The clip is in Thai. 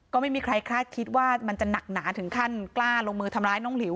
ก็ไม่มีใครคาดคิดว่ามันจะหนักหนาถึงขั้นกล้าลงมือทำร้ายน้องหลิว